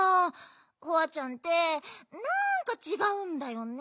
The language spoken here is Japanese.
ホワちゃんってなんかちがうんだよね。